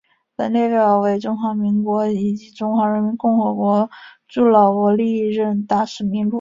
本列表为中华民国及中华人民共和国驻老挝历任大使名录。